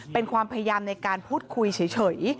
เป็นความพยายามในการพูดคุยเฉย